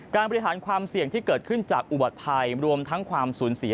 บริหารความเสี่ยงที่เกิดขึ้นจากอุบัติภัยรวมทั้งความสูญเสีย